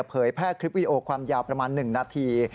เผยแพร่คลิปวิดีโอความยาวประมาณ๑นาที